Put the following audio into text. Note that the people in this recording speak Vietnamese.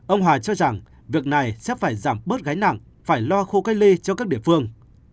ông hà cho rằng việc này sẽ phải giảm bớt gánh nặng phải lo khu cách ly cho các địa phương